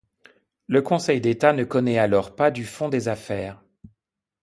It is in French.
Le Conseil d'État ne connaît alors pas du fond des affaires.